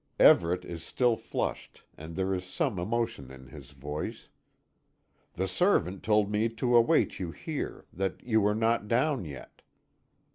Everet is still flushed, and there is some emotion in his voice. "The servant told me to await you here that you were not down yet."